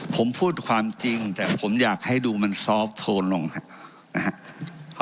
ผมพูดความจริงแต่ผมอยากให้ดูมันซอฟต์โทนลงครับนะฮะ